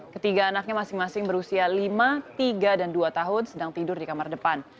ketiga anaknya masing masing berusia lima tiga dan dua tahun sedang tidur di kamar depan